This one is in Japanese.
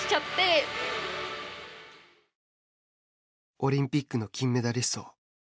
オリンピックの金メダリスト